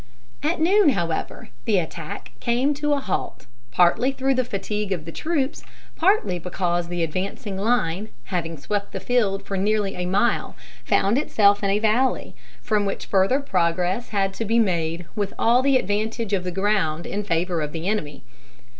At noon, however, the attack came to a halt, partly through the fatigue of the troops, partly because the advancing line, having swept the field for nearly a mile, found itself in a valley, from which further progress had to be made with all the advantage of the ground in favor of the enemy.